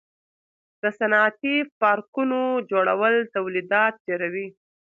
د صنعتي پارکونو جوړول تولیدات ډیروي.